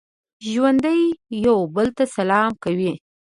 ژوندي یو بل ته سلام کوي